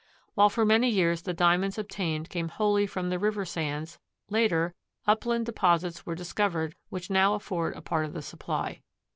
While for many years the Diamonds obtained came wholly from the river sands, later, upland deposits were discovered which now afford a part of the supply.